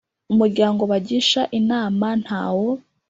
umuryango bagisha inama ntawo